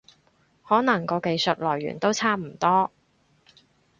可能個技術來源都差唔多